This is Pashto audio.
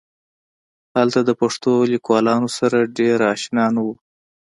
هغه د پښتو لیکوالانو سره ډېر اشنا نه و